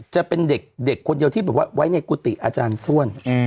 จะเป็นเด็กคนเดียวที่แบบว่าไว้ในกุฏิอาจารย์ส้วน